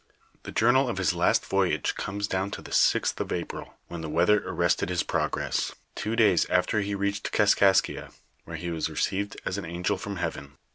The journal of his last voyage* comes down to the sixth of April, when the weather arrested his progress; two days after he reached Xaskaskia, where he was received as an angel from heaven.